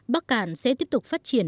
bắc cạn sẽ tiếp tục phát triển